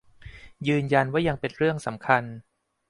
ยืนยันว่ายังเป็นเรื่องสำคัญ